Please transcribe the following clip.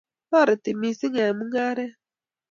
toreti missing eng mungaret